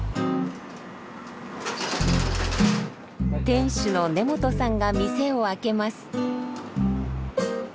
店主の根本さんが店を開けます。